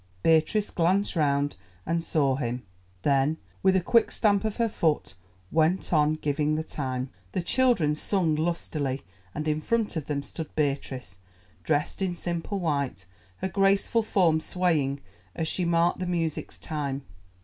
Beatrice glanced round and saw him, then, with a quick stamp of her foot, went on giving the time. The children sung lustily, and in front of them stood Beatrice, dressed in simple white, her graceful form swaying as she marked the music's time.